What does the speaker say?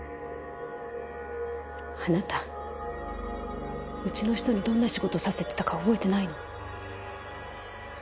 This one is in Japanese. あなたうちの人にどんな仕事させてたか覚えてないの？